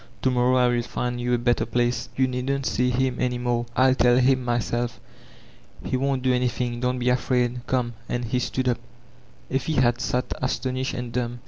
To morrow 111 find you a better place. You needn't see him any more. Til tell him myself. He won't do anything, don't be afraid Come." And he stood up. Effie had sat astonished and dumb.